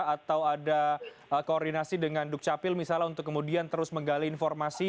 atau ada koordinasi dengan dukcapil misalnya untuk kemudian terus menggali informasi